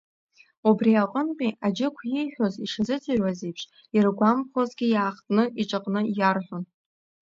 Убри аҟынтәи Аџьықә ииҳәоз ишазыӡырҩуаз еиԥш, иргәамԥхозгьы иаахтны иҿаҟны иарҳәон.